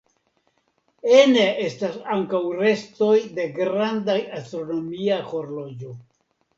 Ene esta ankaŭ restoj de granda astronomia horloĝo.